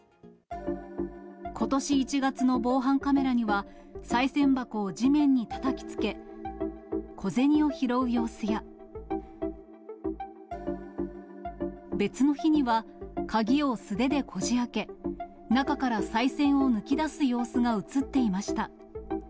ことし１月の防犯カメラには、さい銭箱を地面にたたきつけ、小銭を拾う様子や、別の日には鍵を素手でこじあけ、中からさい銭を抜き出す様子が写っていました。